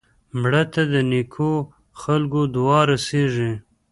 مړه ته د نیکو خلکو دعا رسېږي